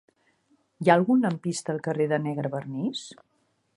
Hi ha algun lampista al carrer de Negrevernís?